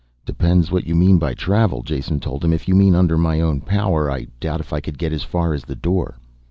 "Depends what you mean by travel," Jason told him. "If you mean under my own power, I doubt if I could get as far as that door."